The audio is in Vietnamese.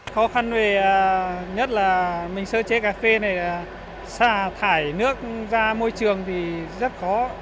khó khăn nhất là mình sơ chế cà phê này là xả thải nước ra môi trường thì rất khó